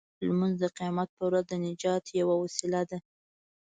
لمونځ د قیامت په ورځ د نجات یوه وسیله ده.